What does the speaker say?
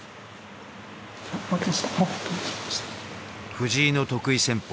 藤井の得意戦法